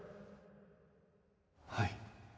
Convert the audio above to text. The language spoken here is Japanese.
はい。